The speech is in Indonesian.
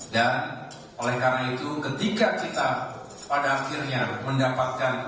oleh karena itu ketika kita pada akhirnya mendapatkan